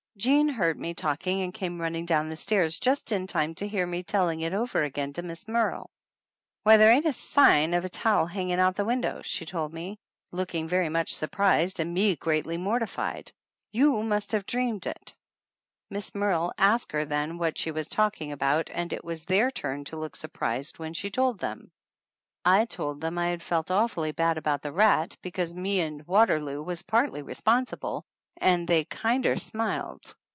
Jean heard me talking and came running down the stairs just in time to hear me telling it over again to Miss Merle. "Why, there ain't a sign of a towel hanging out the window," she told me, looking very much surprised and me greatly mortified. "You must have dreamed it!" 198 THE ANNALS OF ANN Miss Merle asked her then what she was talking about and it was their turn to look surprised when she told them. I told them I had felt awfully bad about the rat, because me and Waterloo was partly re sponsible, and they kinder smiled.